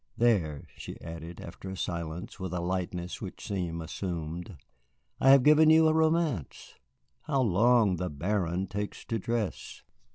There," she added, after a silence, with a lightness which seemed assumed, "I have given you a romance. How long the Baron takes to dress!"